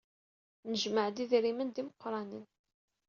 Nejmeɛ-d idrimen d imeqranen.